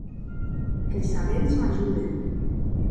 Qu’es sabents m’ajuden.